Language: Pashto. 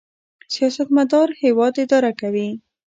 سیاستمدار هیواد اداره کوي